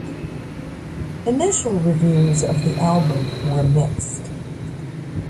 Initial reviews of the album were mixed.